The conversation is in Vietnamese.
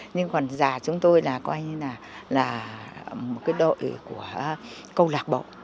nhưng còn già chúng tôi là coi như là một cái đội của câu lạc bộ